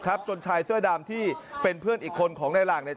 จนชายเสื้อดำที่เป็นเพื่อนอีกคนของในหลังเนี่ย